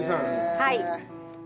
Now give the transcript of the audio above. はい。